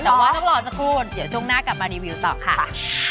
แต่ว่าต้องรอสักครู่เดี๋ยวช่วงหน้ากลับมารีวิวต่อค่ะ